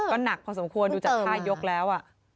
ก็หนักพอสมควรดูจากท่ายกแล้ว